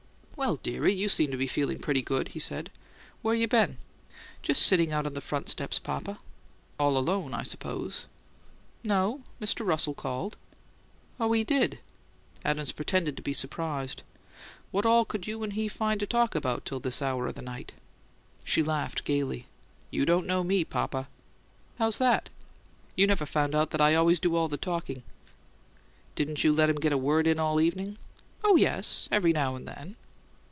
"Well, dearie, you seem to be feeling pretty good," he said. "What you been doing?" "Just sitting out on the front steps, papa." "All alone, I suppose." "No. Mr. Russell called." "Oh, he did?" Adams pretended to be surprised. "What all could you and he find to talk about till this hour o' the night?" She laughed gaily. "You don't know me, papa!" "How's that?" "You've never found out that I always do all the talking." "Didn't you let him get a word in all evening?" "Oh, yes; every now and then."